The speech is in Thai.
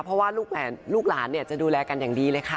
เพราะว่าลูกหลานจะดูแลกันอย่างดีเลยค่ะ